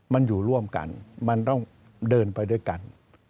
มันอยู่ร่วมกันมันต้องเดินไปด้วยกัน